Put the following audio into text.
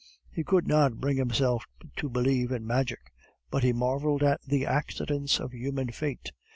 He could not bring himself to believe in magic, but he marveled at the accidents of human fate.